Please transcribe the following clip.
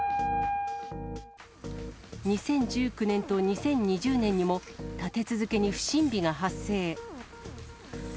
２０１９年と２０２０年にも、立て続けに不審火が発生。